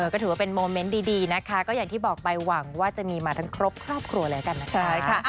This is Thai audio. ก็ถือว่าเป็นโมเมนต์ดีนะคะก็อย่างที่บอกไปหวังว่าจะมีมาทั้งครอบครัวแล้วกันนะคะ